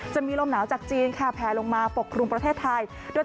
จะมีลมหนาวจากจีนค่ะแพลลงมาปกครุมประเทศไทย